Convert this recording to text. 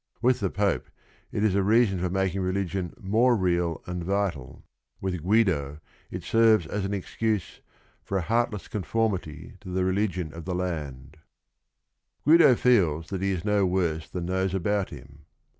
Wi th the Pope it is a reason for making religion more real and vitnl; with Grridn il stI'VW y^ ftn px^usp fir a, heartress~roHiormity to the religion nf llm liinil , Gu ido f eels that he is no worse liiaii" those about him.